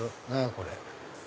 これ。